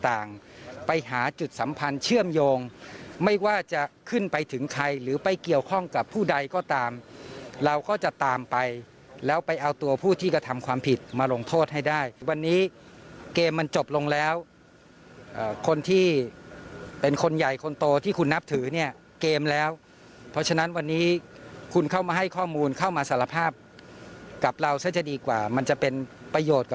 ต่างไปหาจุดสัมพันธ์เชื่อมโยงไม่ว่าจะขึ้นไปถึงใครหรือไปเกี่ยวข้องกับผู้ใดก็ตามเราก็จะตามไปแล้วไปเอาตัวผู้ที่กระทำความผิดมาลงโทษให้ได้วันนี้เกมมันจบลงแล้วคนที่เป็นคนใหญ่คนโตที่คุณนับถือเนี่ยเกมแล้วเพราะฉะนั้นวันนี้คุณเข้ามาให้ข้อมูลเข้ามาสารภาพกับเราซะจะดีกว่ามันจะเป็นประโยชน์กับ